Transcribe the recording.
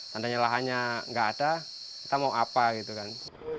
dadanya lahan skalah ini nggak ada mau apa itu kan